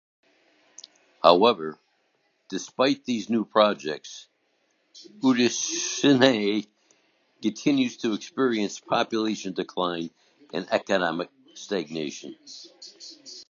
However, despite these new projects, Utashinai continues to experience population decline and economic stagnation.